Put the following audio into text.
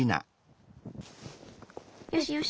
よしよし。